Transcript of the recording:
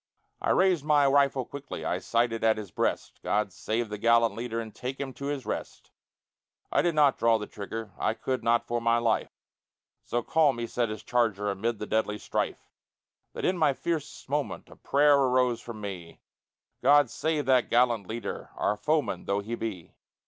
I raised my rifle quickly, I sighted at his breast, God save the gallant leader And take him to his rest! I did not draw the trigger, I could not for my life. So calm he sat his charger Amid the deadly strife, That in my fiercest moment A prayer arose from me God save that gallant leader, Our foeman though he be!